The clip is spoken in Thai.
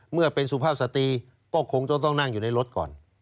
เมื่อเป็นสุภาพสตรีก็คงจะต้องนั่งอยู่ในรถก่อน